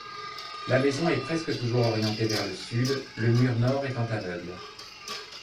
La maison est presque toujours orientée vers le sud, le mur nord étant aveugle.